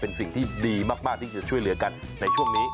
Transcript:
เป็นสิ่งที่ดีมากที่จะช่วยเหลือกันในช่วงนี้